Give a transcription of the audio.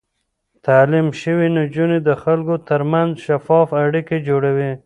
تعليم شوې نجونې د خلکو ترمنځ شفاف اړيکې جوړوي.